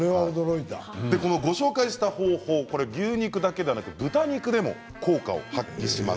ご紹介した方法は牛肉だけでなく豚肉でも効果を発揮します。